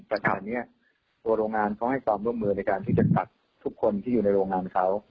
แต่ขณะนี้ตัวโรงงานเขาให้ความร่วมมือในการที่จะกัดทุกคนที่อยู่ในโรงงานเขา